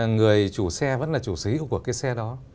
người chủ xe vẫn là chủ sở hữu của cái xe đó